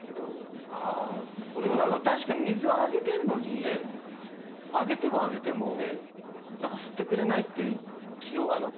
でも確かに水はあげてるのにあげてもあげても何か吸ってくれないっていう経験はあります